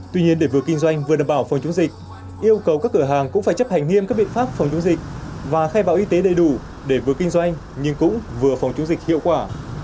tuy nhiên để vừa kinh doanh vừa đảm bảo phòng chống dịch yêu cầu các cửa hàng cũng phải chấp hành nghiêm các biện pháp phòng chống dịch và khai báo y tế đầy đủ để vừa kinh doanh nhưng cũng vừa phòng chống dịch hiệu quả